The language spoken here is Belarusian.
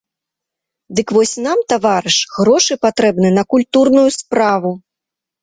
Дык вось нам, таварыш, грошы патрэбны на культурную справу.